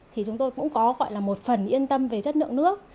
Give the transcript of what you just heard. thì chúng tôi cũng có gọi là một phần yên tâm về chất lượng nước